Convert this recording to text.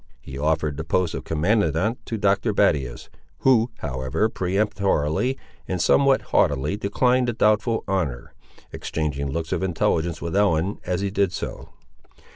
He offered the post of commandant to Dr. Battius, who, however, peremptorily and somewhat haughtily declined the doubtful honour; exchanging looks of intelligence with Ellen, as he did so.